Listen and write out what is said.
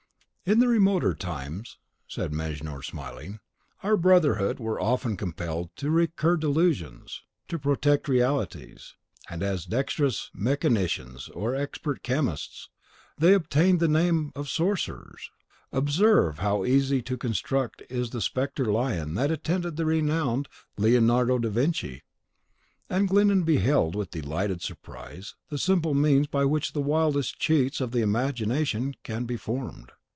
"In the remoter times," said Mejnour, smiling, "our brotherhood were often compelled to recur to delusions to protect realities; and, as dexterous mechanicians or expert chemists, they obtained the name of sorcerers. Observe how easy to construct is the Spectre Lion that attended the renowned Leonardo da Vinci!" And Glyndon beheld with delighted surprise the simple means by which the wildest cheats of the imagination can be formed.